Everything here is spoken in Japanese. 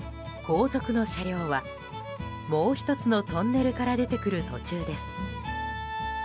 後続の車両はもう１つのトンネルから出てくる途中です。